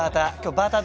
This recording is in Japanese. バーター。